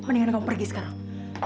mendingan kamu pergi sekarang